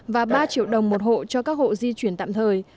và ba triệu đồng một hộ cho các hộ di chuyển tạm thời